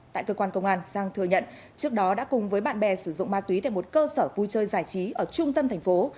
tại cơ quan công an giang thừa nhận trước đó đã cùng với bạn bè sử dụng ma túy tại một cơ sở vui chơi giải trí ở trung tâm thành phố